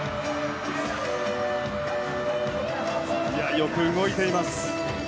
よく動いています。